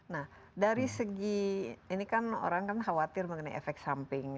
nah dari segi ini kan orang kan khawatir mengenai efek samping